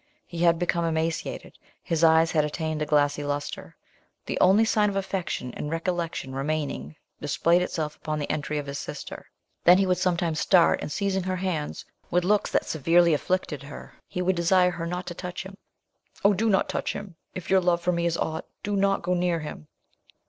He had become emaciated, his eyes had attained a glassy lustre; the only sign of affection and recollection remaining displayed itself upon the entry of his sister; then he would sometimes start, and, seizing her hands, with looks that severely afflicted her, he would desire her not to touch him. "Oh, do not touch him if your love for me is aught, do not go near him!"